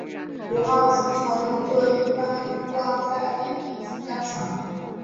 五号旗常用作一般不挂在立地旗杆上。